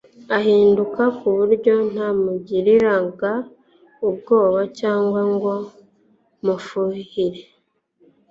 ahinduka kuburyo ntamugiriraga ubwoba cyangwa ngo mufuhire